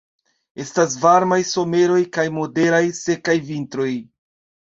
Estas varmaj someroj kaj moderaj sekaj vintroj.